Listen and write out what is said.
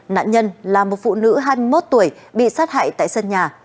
nạn nhân là một phụ nữ hai mươi một tuổi bị sát hại tại sân nhà